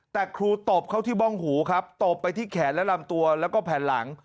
แต่ครูตบเข้าที่บ้องหูครับตบไปที่แขนและลำตัวแล้วก็แผ่นหลัง